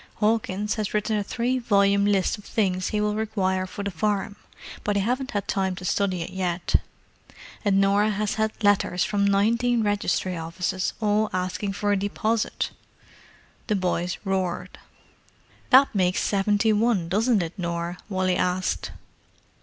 Hawkins has written a three volume list of things he will require for the farm, but I haven't had time to study it yet. And Norah has had letters from nineteen registry offices, all asking for a deposit!" The boys roared. "That makes seventy one, doesn't it, Nor?" Wally asked.